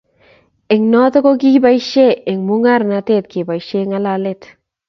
Eng' notok ko kibashie eng' mungaret keboishe ngalalet